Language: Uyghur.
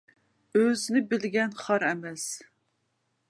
ئۆزىنى بىلگەن خار ئەمەس.